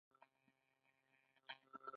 ژور درک ته رسیدل مرسته غواړي.